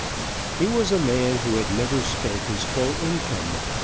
He was a man who had never spent his full income.